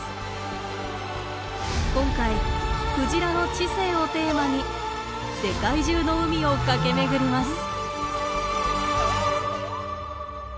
今回クジラの知性をテーマに世界中の海を駆け巡ります。